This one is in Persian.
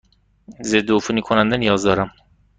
ضدعفونی کننده نیاز دارم.